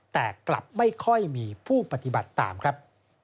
แต่กลับไม่ค่อยมีผู้ปฏิบัติตามครับ